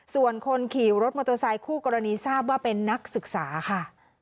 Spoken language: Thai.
ส่วนคนขี่รถมอเตอร์ไซคู่กรณีทราบว่าเป็นนักศึกษาค่ะ